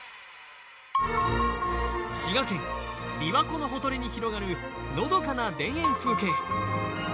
琵琶湖のほとりに広がるのどかな田園風景